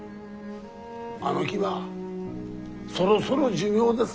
あの木はそろそろ寿命です。